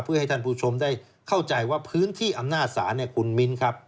เพื่อให้ท่านผู้ชมได้เข้าใจว่าพื้นที่อำนาจศาลคุณมิ้นครับ